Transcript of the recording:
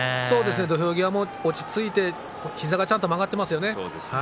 土俵際も落ち着いて膝がちゃんと曲がっていますよね。